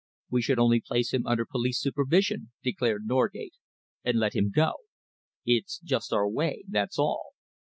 "We should only place him under police supervision," declared Norgate, "and let him go. It's just our way, that's all."